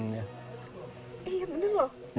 iya bener loh